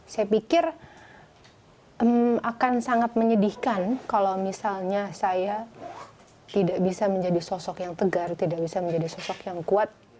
saya pikir akan sangat menyedihkan kalau misalnya saya tidak bisa menjadi sosok yang tegar tidak bisa menjadi sosok yang kuat